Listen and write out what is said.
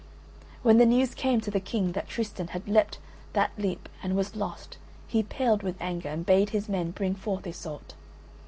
When the news came to the King that Tristan had leapt that leap and was lost he paled with anger, and bade his men bring forth Iseult.